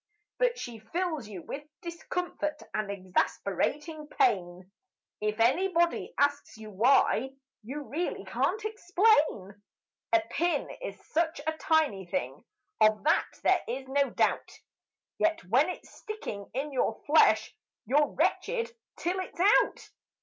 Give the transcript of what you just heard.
But she fills you with discomfort and exasperating pain If anybody asks you why, you really can't explain. A pin is such a tiny thing, of that there is no doubt, Yet when it's sticking in your flesh, you're wretched till it's out!